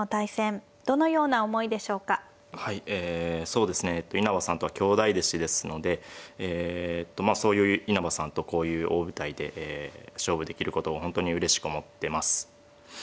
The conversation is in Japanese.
そうですね稲葉さんとは兄弟弟子ですのでそういう稲葉さんとこういう大舞台で勝負できることを本当にうれしく思ってます。